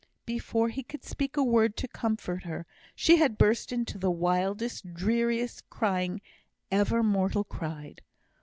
Before he could speak a word to comfort her, she had burst into the wildest, dreariest crying ever mortal cried.